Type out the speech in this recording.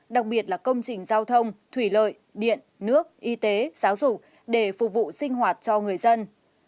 đặc biệt là công trình giao thông thủy lợi điện nước y tế giáo dục để phục vụ sinh hoạt cho người dân